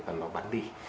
và nó bắn đi